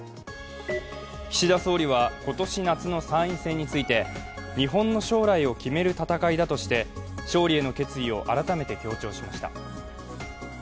岸田総理は今年夏の参院選について日本の将来を決める戦いだとして勝利への決意を改めて強調しました。